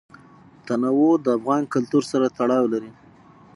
تنوع د افغان کلتور سره تړاو لري.